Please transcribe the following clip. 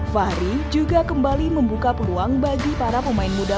fahri juga kembali membuka peluang bagi para pemain muda